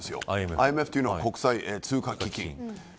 ＩＭＦというのは国際通貨基金。